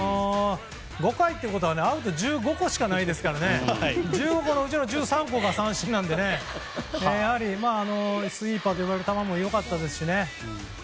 ５回ということはアウト１５個しかないですから１５個のうちの１３個が三振なのでスイーパーといわれる球も良かったですしね。